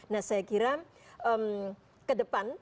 nah saya kira ke depan